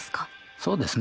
そうですね。